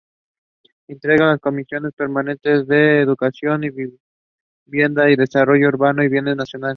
Integra las comisiones permanentes de Educación; y Vivienda y Desarrollo Urbano y Bienes Nacionales.